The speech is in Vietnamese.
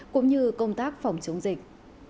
cũng như công tác phòng chống dịch